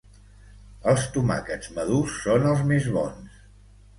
Els tomàquets madurs són els més bons.